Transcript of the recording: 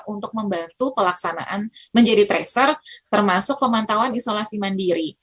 untuk membantu pelaksanaan menjadi tracer termasuk pemantauan isolasi mandiri